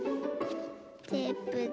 テープで。